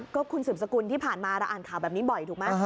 ก็คุณสืบสกุลที่ผ่านมาเราอ่านข่าวแบบนี้บ่อยถูกไหม